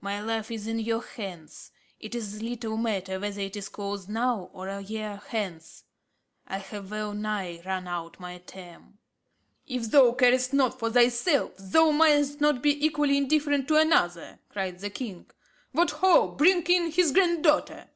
"My life is in your hands. It is little matter whether it is closed now or a year hence. I have well nigh run out my term." "If thou carest not for thyself, thou mayest not be equally indifferent to another," cried the king. "What ho! bring in his granddaughter."